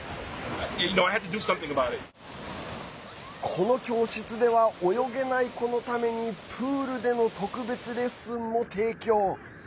この教室では泳げない子のためにプールでの特別レッスンも提供。